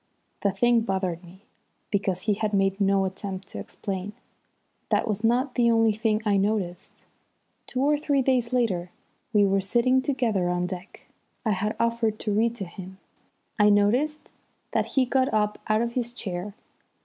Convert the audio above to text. The thing bothered me, because he had made no attempt to explain. That was not the only thing I noticed. Two or three days later we were sitting together on deck. I had offered to read to him. I noticed that he got up out of his chair.